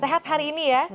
sehat hari ini ya